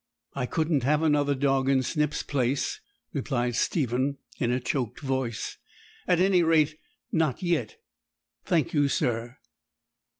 'I couldn't have another dog in Snip's place,' replied Stephen in a choked voice; 'at any rate not yet, thank you, sir.'